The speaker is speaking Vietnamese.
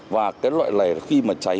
và cái loại này khi mà cháy